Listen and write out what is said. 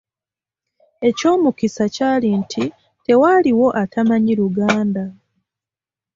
Eky’omukisa kyali nti tewaaliwo atamanyi Luganda.